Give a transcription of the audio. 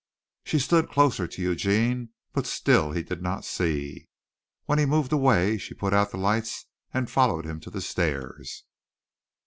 She stood closer to Eugene but still he did not see. When he moved away she put out the lights and followed him to the stairs.